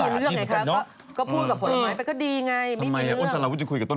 อ้าวสตรอเบอรี่จริงอีกครับ